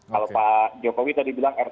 kalau pak jokowi tadi bilang rt